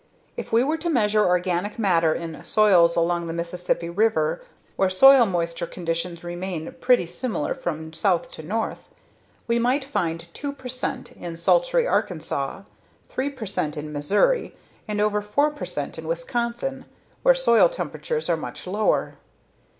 If we were to measure organic matter in soils along the Mississippi River where soil moisture conditions remain pretty similar from south to north, we might find 2 percent in sultry Arkansas, 3 percent in Missouri and over 4 percent in Wisconsin, where soil temperatures are much lower.